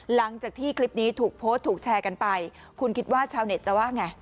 หลังจากที่คลิปนี้ถูกโพสต์ถูกแชร์กันไปคุณคิดว่าชาวเน็ตจะว่าไง